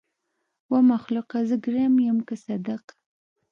ومخلوقه! زه ګرم يم که صدک.